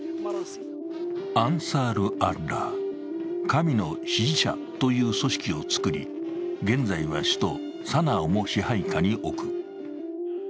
アンサール・アッラー、神の支持者という組織を作り、現在は首都サナアも支配下に置く。